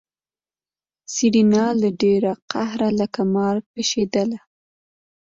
سېرېنا له ډېره قهره لکه مار پشېدله.